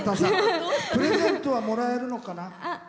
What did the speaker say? プレゼントはもらえるのかな？